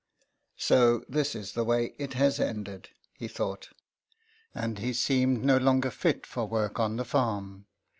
" So this is the way it has ended," he thought. And he seemed no longer fit for work on the farm.